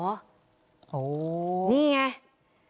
โหนี่ไง